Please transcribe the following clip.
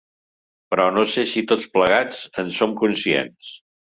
Però no sé si tots plegats en som conscients.